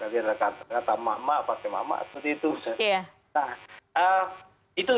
biasa kata mama pakai mama seperti itu